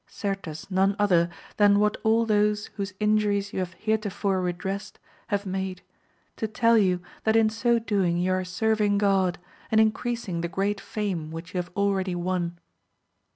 certes none other than what all those whose injuries you have heretofore redressed, have made, to tell you that in so doing you are serving Gx)d, and increasing the great fame which you have already won.